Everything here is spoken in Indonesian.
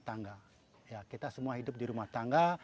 tangga ya kita semua hidup di rumah tangga